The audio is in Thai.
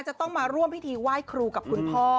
จะต้องมาร่วมพิธีไหว้ครูกับคุณพ่อ